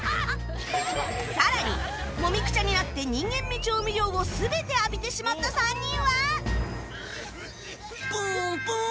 更に、もみくちゃになって人間味調味料を全て浴びてしまった３人は。ぷんぷん！